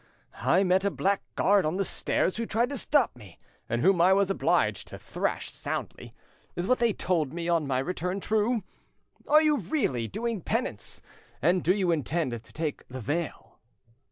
I met a blackguard on the stairs who tried to stop me, and whom I was obliged to thrash soundly. Is what they told me on my return true? Are you really doing penance, and do you intend to take the veil?"